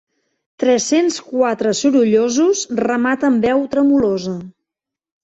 Tres-cents quatre sorollosos, remata amb veu tremolosa.